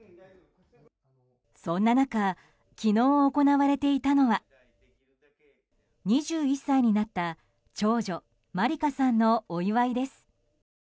そんな中、昨日行われていたのは２１歳になった長女・茉莉花さんのお祝いです。